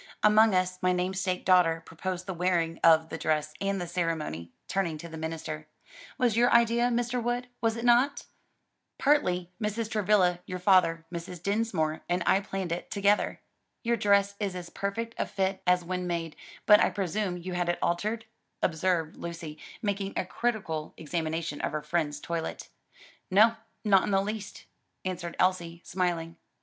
"Among us: my namesake daughter proposed the wearing of the dress: and the ceremony," turning to the minister, "was your idea, Mr. Wood, was it not?" "Partly, Mrs. Travilla; your father, Mrs. Dinsmore, and I planned it together." "Your dress is as perfect a fit as when made, but I presume you had it altered," observed Lucy, making a critical examination of her friend's toilet. "No, not in the least," answered Elsie, smiling.